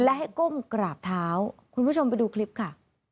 และให้ก้มกราบเท้าคุณผู้ชมไปดูคลิปค่ะ